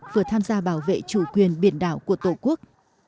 vừa tham gia bảo vệ chủ quyền biển đảo của tổ quốc